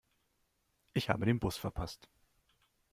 Ich habe den Bus verpasst.